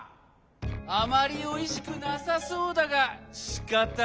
あまりおいしくなさそうだがしかたない。